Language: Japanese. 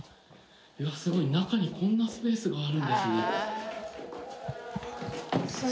中にこんなスペースがあるんですね。